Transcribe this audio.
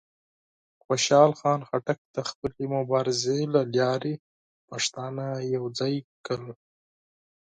خوشحال خان خټک د خپلې مبارزې له لارې پښتانه یوځای کړل.